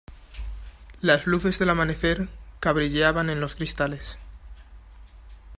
las luces del amanecer cabrilleaban en los cristales.